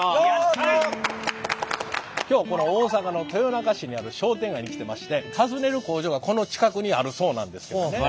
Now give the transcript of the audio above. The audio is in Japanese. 今日この大阪の豊中市にある商店街に来てまして訪ねる工場がこの近くにあるそうなんですけどね。